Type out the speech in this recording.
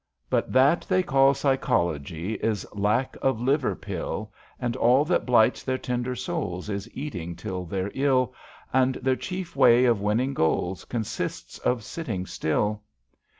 But that they call ^' psychology " Is lack of liver pill, 196 ABAFT THE FUNNEL And all that blights their tender souls Is eating till they're ill, And their chief way of winning goals Consists of sitting still.